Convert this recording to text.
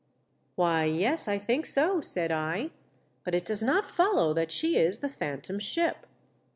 "Why, yes, I think so," said I; "but it does not follow that she is the Phantom Ship. "](> THE DEATH SHIP.